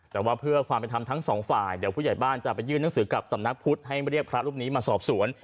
แต่ว่าเพื่อความเป็นธรรมทั้งสองฝ่ายเดี๋ยวผู้ใหญ่บ้านจะไปยื่นหนังสือกับสำนักพุทธให้เรียกพระรูปนี้มาสอบสวน